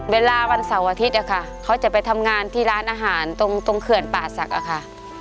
เวลาวันเสาร์อาทิตย์อะค่ะเขาจะไปทำงานที่ร้านอาหารตรงเขื่อนป่าศักดิ์อะค่ะ